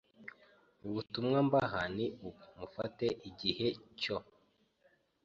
Ubutumwa mbaha ni ubu: mufate igihe cyo